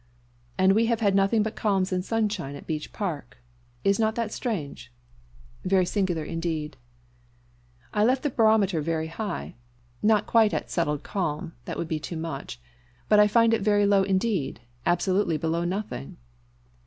"And we have had nothing but calms and sunshine at Beech Park. Is not that strange?" "Very singular indeed." "I left the barometer very high not quite at settled calm that would be too much; but I find it very low indeed absolutely below nothing."